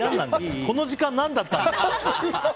この時間何だったんだ。